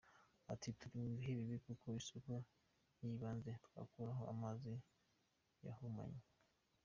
Ati “Turi mu bihe bibi kuko isoko y’ibanze twakuragaho amazi yahumanye,.